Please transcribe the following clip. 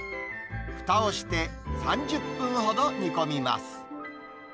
ふたをして３０分ほど煮込みます。